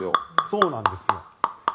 そうなんですよ。